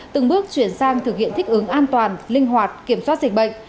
từng bước chuyển sang thực hiện thích ứng an toàn linh hoạt kiểm soát dịch bệnh